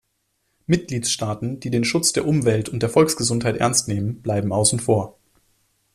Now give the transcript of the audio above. Mitgliedstaaten, die den Schutz der Umwelt und der Volksgesundheit ernst nehmen, bleiben außen vor.